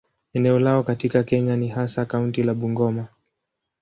Eneo lao katika Kenya ni hasa kaunti ya Bungoma.